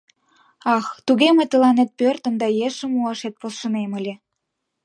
Ах, туге мый тыланет пӧртым да ешым муашет полшынем ыле!